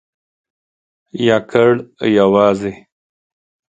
یکړ...یوازی ..